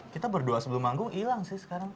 kita berdua sebelum anggung ilang sih sekarang